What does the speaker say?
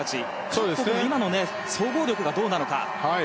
各国の総合力がどうなのか。